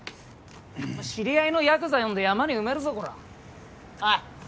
知り合いのヤクザ呼んで山に埋めるぞこら。